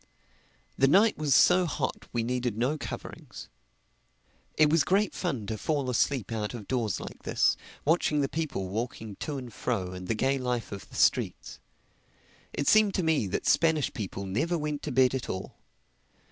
The night was so hot we needed no coverings. It was great fun to fall asleep out of doors like this, watching the people walking to and fro and the gay life of the streets. It seemed to me that Spanish people never went to bed at all.